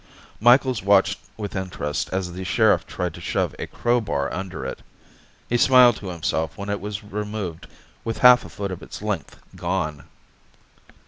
Micheals watched with interest as the sheriff tried to shove a crowbar under it. He smiled to himself when it was removed with half a foot of its length gone.